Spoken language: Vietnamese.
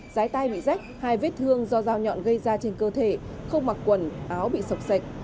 giái tay bị rách hai vết thương do rào nhọn gây ra trên cơ thể không mặc quần áo bị sọc sạch